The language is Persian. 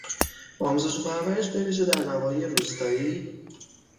آموزش و پرورش به ویژه در نواحی روستایی...